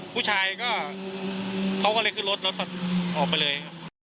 ผู้ชายก็เขาก็เลยขึ้นรถรถตัดออกไปเลย